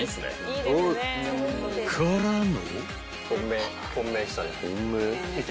［からの］